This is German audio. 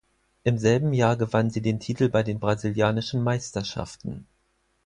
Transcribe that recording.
Im selben Jahr gewann sie den Titel bei den brasilianischen Meisterschaften.